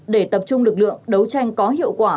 để tập trung lực lượng đấu tranh có hiệu quả